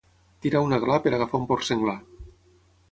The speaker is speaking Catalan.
Tirar un aglà per agafar un porc senglar.